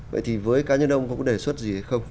vậy thì với cá nhân ông có đề xuất gì hay không